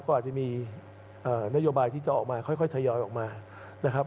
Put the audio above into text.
ก็อาจจะมีนโยบายที่จะออกมาค่อยทยอยออกมานะครับ